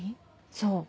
そう。